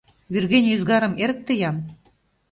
Вӱргене ӱзгарым эрыкты-ян.